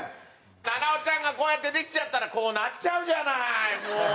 菜々緒ちゃんがこうやってできちゃったらこうなっちゃうじゃないもう！